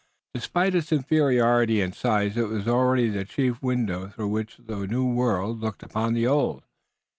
Despite its inferiority in size it was already the chief window through which the New World looked upon the Old.